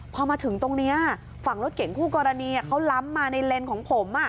พอมาถึงตรงนี้ฝั่งรถเก่งคู่กรณีเขาล้ำมาในเลนของผม